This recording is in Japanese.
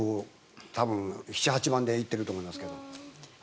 多分７８番で行ってると思いますが。